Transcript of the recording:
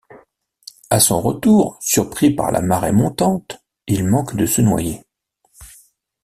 À son retour, surpris par la marée montante, il manque de se noyer.